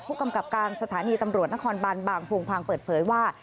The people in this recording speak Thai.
ผู้กำกับการสถานีตำรวจนครบันบางโพงพังเปิดเผยว่า